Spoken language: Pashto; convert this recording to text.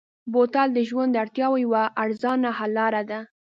بوتل د ژوند د اړتیاوو یوه ارزانه حل لاره ده.